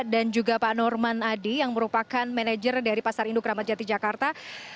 dan juga pak norman adi yang merupakan manajer dari pasar induk ramadjati jakarta